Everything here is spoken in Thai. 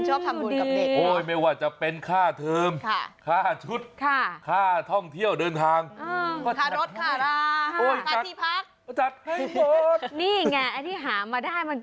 จำเป็นอะไรอย่างงั้น